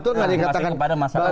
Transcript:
betul gak dikatakan mas andi